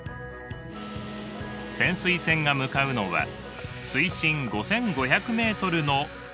潜水船が向かうのは水深５，５００メートルの深海です。